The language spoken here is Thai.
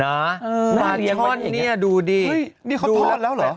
น่าปลาช่อนเนี่ยดูดีนี่เขาทอดแล้วเหรอ